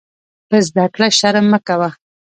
په زده کړه شرم مه کوۀ.